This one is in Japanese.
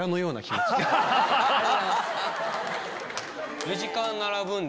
ありがとうございます！